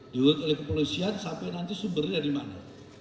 diurut oleh kepolisian sampai nanti sumbernya dimana